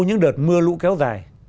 những đợt mưa lũ kéo dài